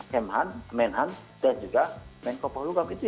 hmh menh dan juga menkopolukap